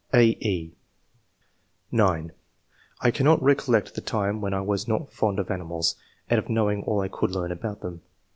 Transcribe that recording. '^ (a, e) (9) "I cannot recollect the time when I was not fond of animals, and of knowing all I could learn about them.